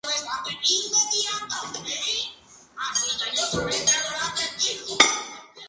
Era tío de Therese Malfatti, la destinataria de "Para Elisa".